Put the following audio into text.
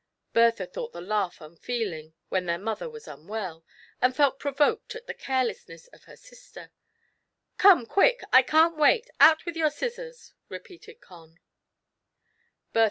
Bertha thought the laugh unfeeling when their mother was unwell, and felt provoked at the carelessness of her sister. " Come, quick, I can't wait — out with your scissors !" repeated Con.